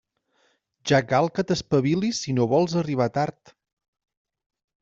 Ja cal que t'espavilis si no vols arribar tard.